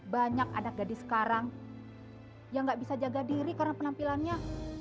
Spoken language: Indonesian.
banyak anak gadis sekarang yang gak bisa jaga diri karena penampilannya